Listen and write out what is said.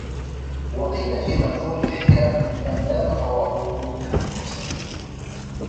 وَقِيلَ فِي مَنْثُورِ الْحِكَمِ مَنْ دَامَ تَوَاضُعُهُ كَثُرَ صَدِيقُهُ